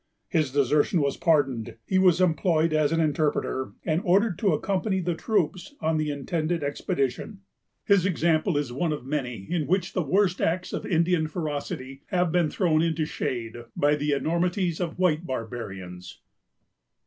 His desertion was pardoned; he was employed as an interpreter, and ordered to accompany the troops on the intended expedition. His example is one of many in which the worst acts of Indian ferocity have been thrown into shade by the enormities of white barbarians.